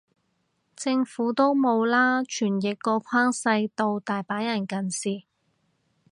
政府都冇啦，傳譯個框細到，大把人近視